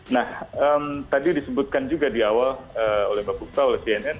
nah tadi disebutkan juga di awal oleh mbak puspa oleh cnn